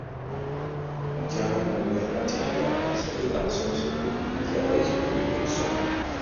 Muky Pamela Batenga asabye abasomesa okujjumbiza abayizi okuyiga okusoma